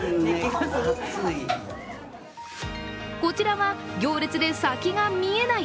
こちらは、行列で先が見えない！